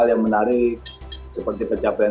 saya mengucapkan terimakasih kepada adrian